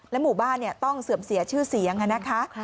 และหมู่บ้านเนี่ยต้องเสื่อมเสียชื่อเสียงค่ะนะคะ